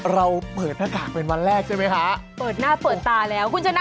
เราเปิดหน้ากากเป็นวันแรกใช่ไหมคะเปิดหน้าเปิดตาแล้วคุณชนะ